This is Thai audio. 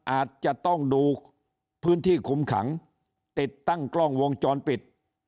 อาจจะต้องดูพื้นที่คุมขังติดตั้งกล้องวงจรปิด